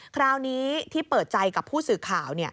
คราวนี้ที่เปิดใจกับผู้สื่อข่าว